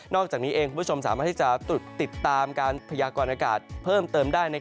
อกจากนี้เองคุณผู้ชมสามารถที่จะติดตามการพยากรณากาศเพิ่มเติมได้